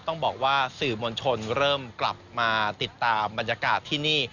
ต้องบอกว่าสื่อมวลชนเริ่มกลับมาติดตามบรรยากาศที่นี่